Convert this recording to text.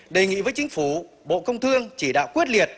đề nghị với chính phủ bộ công thương chỉ đạo quyết liệt